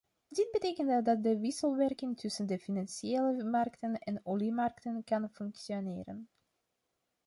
Dit betekent dat de wisselwerking tussen de financiële markten en oliemarkten kan functioneren.